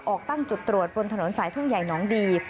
ออกตั้งจุดตรวจบนถนนสายทุ่งใหญ่หนองดี